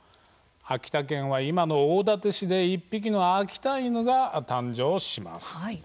秋田県は今の大館市で１匹の秋田犬が誕生します。